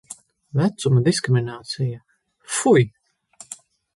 Vecuma diskriminācija. Fuj!